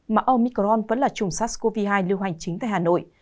mà omicron vẫn là chủng sars cov hai lưu hành chính tại hà nội